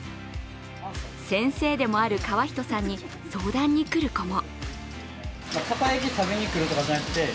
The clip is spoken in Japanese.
先生でもある川人さんに相談に来る子も。